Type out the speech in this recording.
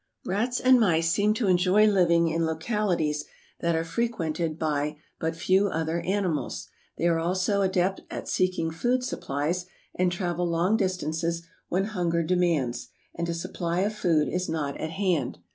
Rats and mice seem to enjoy living in localities that are frequented by but few other animals. They are also adepts at seeking food supplies and travel long distances when hunger demands and a supply of food is not at hand.